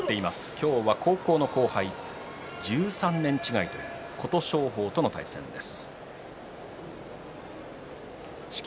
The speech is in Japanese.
今日は高校の後輩、１３年違いという琴勝峰との対戦です。